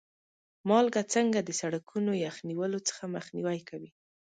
مالګه څنګه د سړکونو یخ نیولو څخه مخنیوی کوي؟